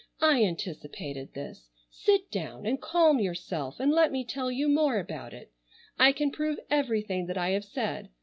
I anticipated this. Sit down and calm yourself and let me tell you more about it. I can prove everything that I have said.